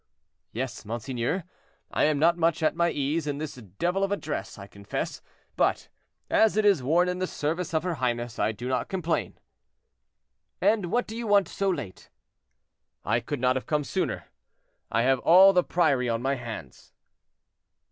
"Yes, monseigneur, I am not much at my ease in this devil of a dress, I confess; but, as it is worn in the service of her highness, I do not complain." "And what do you want so late?" "I could not come sooner; I have all the priory on my hands."